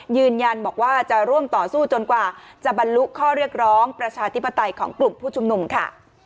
ยืนยันบอกว่าจะร่วมต่อสู้จนกว่าจะบรรลุข้อเรียกร้องประชาธิปไตยของกลุ่มผู้ชุมนุมค่ะ